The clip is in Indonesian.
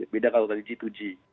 beda kalau tadi g dua g